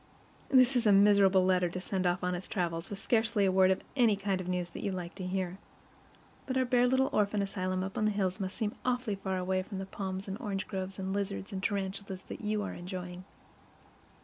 This is a miserable letter to send off on its travels, with scarcely a word of the kind of news that you like to hear. But our bare little orphan asylum up in the hills must seem awfully far away from the palms and orange groves and lizards and tarantulas that you are enjoying.